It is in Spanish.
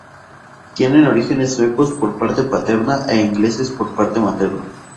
Tiene orígenes suecos por parte paterna e ingleses por parte materna.